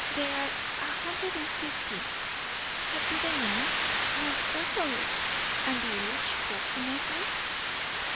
there are a hundred and fifty." "Have you the names?" "O, certainly." "And ages proximately?"